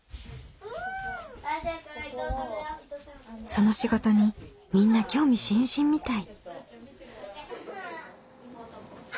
その仕事にみんな興味津々みたい。